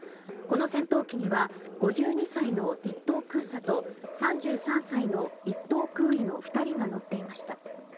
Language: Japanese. この戦闘機には５２歳の１等空佐と３３歳の１等空尉の２人が乗っていました。